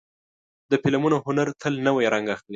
د فلمونو هنر تل نوی رنګ اخلي.